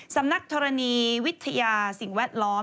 สำนักธรณีวิทยาสิ่งแวดล้อม